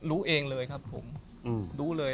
รู้เองเลยครับผมรู้เลย